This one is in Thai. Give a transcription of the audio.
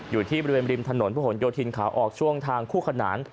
อยู่ที่บริเวณริมถนนพระหลโยธินขาออกช่วงทางคู่ขนาน